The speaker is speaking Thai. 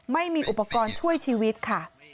ไม่มีอุปกรณ์ช่วยชีวิตค่ะ